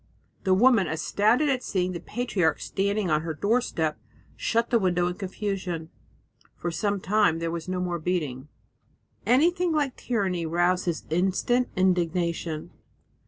The woman, astounded at seeing the patriarch standing on her doorstep, shut the window in confusion. For some time there was no more beating. Anything like tyranny roused his instant indignation.